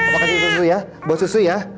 makan susu ya buat susu ya